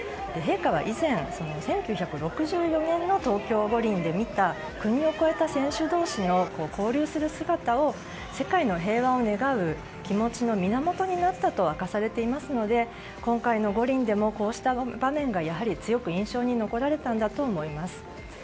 陛下は以前１９６４年の東京五輪で見た国を越えた選手同士の交流する姿を世界の平和を願う気持ちの源になったと明かされていますので今回の五輪でもこうした場面が強く印象に残されたんだと思います。